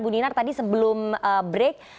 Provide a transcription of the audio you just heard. bu dinar tadi sebelum break